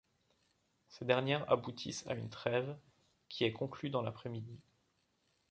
Ces dernières aboutissent à une trêve, qui est conclue dans l'après-midi.